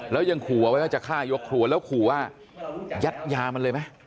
แล้วยังขู่เอาไว้ว่าจะฆ่ายกครัวแล้วขู่ว่ายัดยามันเลยไหม